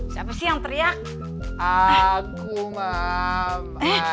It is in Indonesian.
siapa sih yang teriak aku mam